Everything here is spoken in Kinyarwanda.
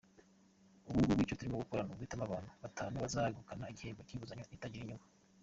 Ubungubu icyo turimo gukora ni uguhitamo abantu batanu bazegukana igihembo cy’inguzanyo itagira inyungu.